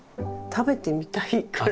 食べてみたいこれ。